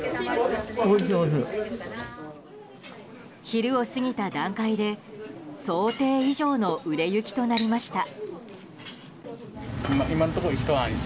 昼を過ぎた段階で想定以上の売れ行きとなりました。